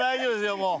もう。